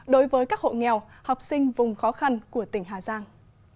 đối với các hộ nghèo học sinh vùng khó khăn của tỉnh hà giang